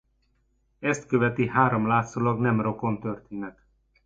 Ezt követi három látszólag nem rokon történet.